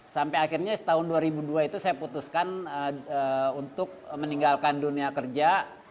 sampai akhirnya tahun dua ribu dua itu saya putuskan untuk meninggalkan dunia kerja